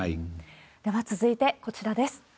では続いてこちらです。